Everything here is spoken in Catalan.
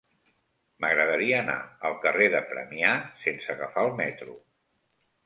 M'agradaria anar al carrer de Premià sense agafar el metro.